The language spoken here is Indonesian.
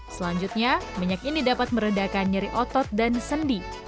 selanjutnya minyak ini dapat meredakan nyeri otot dan sendi